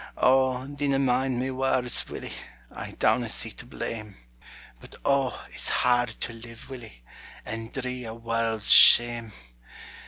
O, dinna mind my words, Willie, I downa seek to blame; But O, it's hard to live, Willie, And dree a warld's shame!